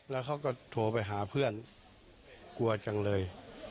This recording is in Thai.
แล้วเขาก็โทรไปหาเพื่อนกลัวจังเลย